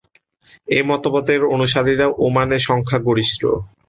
এ মতবাদের অনুসারীরা ওমানে সংখ্যাগরিষ্ঠ।